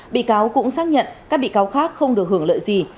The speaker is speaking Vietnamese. bị cáo cũng xác nhận các bị cáo khác không được hưởng lợi gì